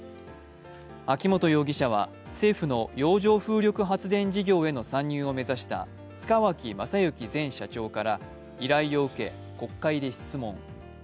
秋本容疑者は政府の洋上風力発電事業への参入を目指した塚脇正幸前社長から依頼を受け国会で質問。